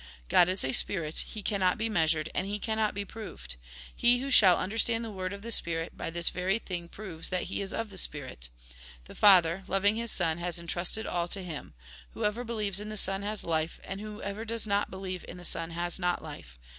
God is a spirit ; He cannot be measured, and He cannot be proved. He who .shall under stand the word of the spirit, by this very thing proves that he is of the spirit. The Father, loving His Son, has entrusted all to him. Whoever believes in the Son has life, and whoever does not believe in the Son has not life.